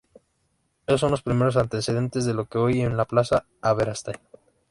Esos son los primeros antecedentes de lo que hoy es la Plaza Aberastain.